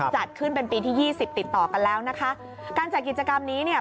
จัดขึ้นเป็นปีที่ยี่สิบติดต่อกันแล้วนะคะการจัดกิจกรรมนี้เนี่ย